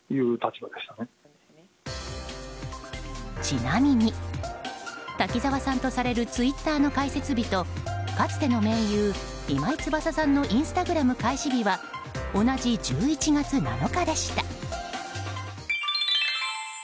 ちなみに滝沢さんとされるツイッターの開設日とかつての盟友・今井翼さんのインスタグラム開始日は同じ１１月７日でした。